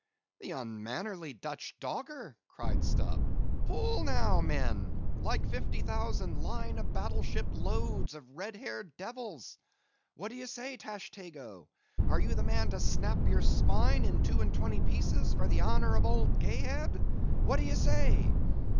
"The unmannerly Dutch dogger!" cried Stubb. "Pull now, men, like fifty thousand line of battle ship loads of red haired devils. What d'ye say, Tashtego; are you the man to snap your spine in two and twenty pieces for the honor of old Gayhead? What d'ye say?"